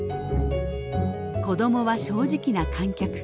子どもは正直な観客。